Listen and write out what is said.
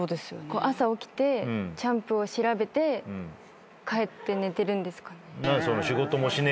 朝起きてチャンプを調べて帰って寝てるんですかね？